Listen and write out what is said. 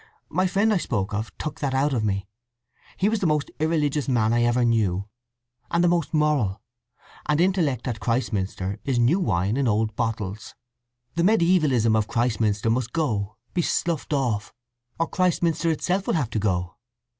"My friend I spoke of took that out of me. He was the most irreligious man I ever knew, and the most moral. And intellect at Christminster is new wine in old bottles. The mediævalism of Christminster must go, be sloughed off, or Christminster itself will have to go.